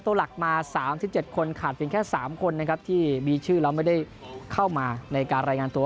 ตัวหลักมา๓๗คนขาดเพียงแค่๓คนนะครับที่มีชื่อแล้วไม่ได้เข้ามาในการรายงานตัว